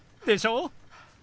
でしょ？